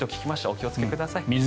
お気をつけください。